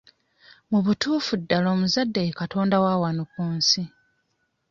Mu butuufu ddala omuzadde ye katonda wa wano ku nsi.